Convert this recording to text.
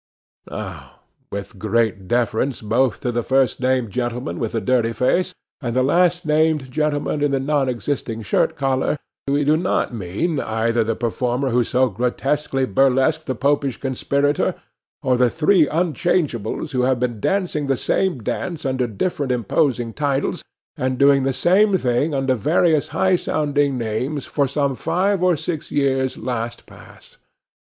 Now, with great deference both to the first named gentleman with the dirty face, and the last named gentleman in the non existing shirt collar, we do not mean either the performer who so grotesquely burlesqued the Popish conspirator, or the three unchangeables who have been dancing the same dance under different imposing titles, and doing the same thing under various high sounding names for some five or six years last past.